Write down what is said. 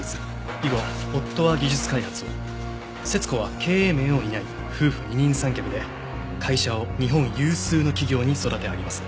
以後夫は技術開発を節子は経営面を担い夫婦二人三脚で会社を日本有数の企業に育て上げます。